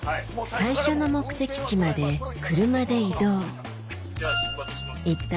最初の目的地まで車で移動一体